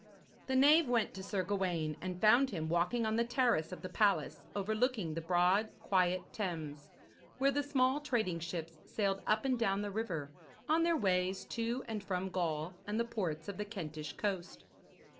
The knave went to Sir Gawaine, and found him walking on the terrace of the palace overlooking the broad quiet Thames, where the small trading ships sailed up and down the river on their ways to and from Gaul and the ports of the Kentish coast.